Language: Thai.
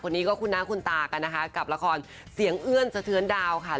คนนี้ก็คุณหน้าคุณตากันนะคะกับละครเสียงเอื้อนสะเทือนดาวค่ะ